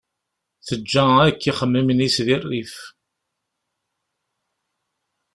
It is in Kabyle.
Teǧǧa akk ixemmimen-ines di rrif.